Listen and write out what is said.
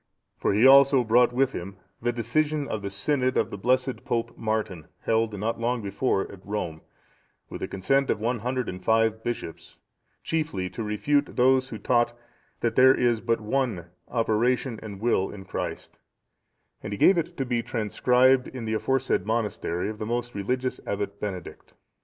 For he also brought with him the decision of the synod of the blessed Pope Martin, held not long before at Rome,(657) with the consent of one hundred and five bishops, chiefly to refute those who taught that there is but one operation and will in Christ, and he gave it to be transcribed in the aforesaid monastery of the most religious Abbot Benedict.